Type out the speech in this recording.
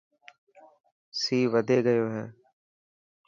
سي وڌي گيو هي.